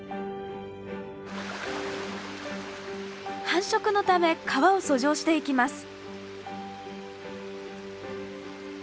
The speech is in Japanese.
繁殖のため川を遡上していきます。